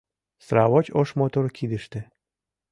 Сравоч ош мотор кидыште.